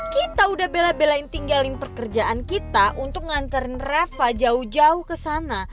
kita udah bela belain tinggalin pekerjaan kita untuk ngancarin reva jauh jauh kesana